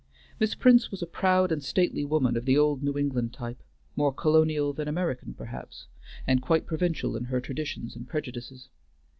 Miss Prince was a proud and stately woman of the old New England type: more colonial than American perhaps, and quite provincial in her traditions and prejudices.